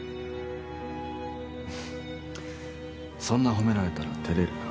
ふっそんな褒められたらてれるな。